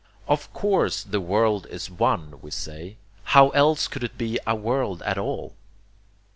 Of COURSE the world is one, we say. How else could it be a world at all?